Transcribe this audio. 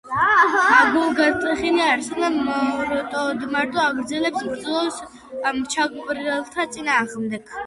გულგატეხილი არსენა მარტოდმარტო აგრძელებს ბრძოლას მჩაგვრელთა წინააღმდეგ.